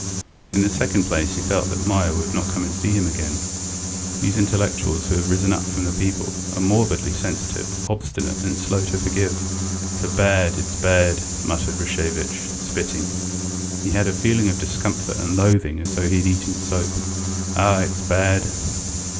In the second place he felt that Meier would never come and see him again. These intellectuals who have risen from the people are morbidly sensitive, obstinate and slow to forgive. "It's bad, it's bad," muttered Rashevitch, spitting; he had a feeling of discomfort and loathing as though he had eaten soap. "Ah, it's bad!"